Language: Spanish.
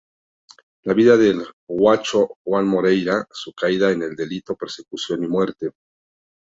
La vida del gaucho Juan Moreira, su caída en el delito, persecución y muerte.